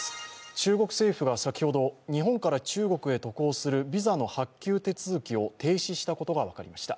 中国政府が先ほど、日本から中国へ渡航するビザの発給手続きを停止したことが分かりました。